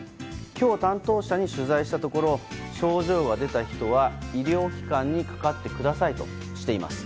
今日、担当者に取材したところ症状が出た人は、医療機関にかかってくださいとしています。